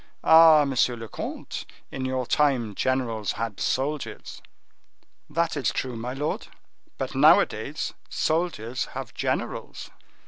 Ah, monsieur le comte, in your time, generals had soldiers!" "That is true, my lord, but nowadays soldiers have generals."